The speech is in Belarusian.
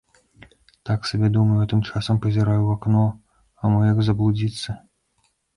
Так сабе думаю, а тым часам пазіраю ў акно, а мо як заблудзіцца.